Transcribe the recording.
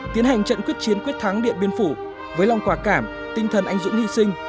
tiến hành trận quyết chiến quyết thắng điện biên phủ với lòng quả cảm tinh thần anh dũng hy sinh